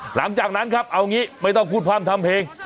หลังจากนั้นครับเอาอย่างนี้ไม่ต้องพูดความทำเพลง